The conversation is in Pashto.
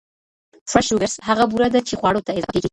Fresh sugars هغه بوره ده چې خواړو ته اضافه کېږي.